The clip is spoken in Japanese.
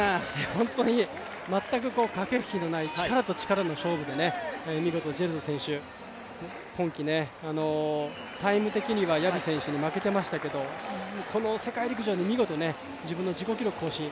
本当に全く駆け引きのない力と力の勝負で見事ジェルト選手、今季タイム的にはヤビ選手に負けてましたけどこの世界陸上で見事、自分の自己記録更新。